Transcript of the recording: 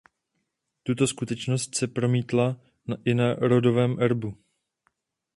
Tato skutečnost se promítla i na rodovém erbu.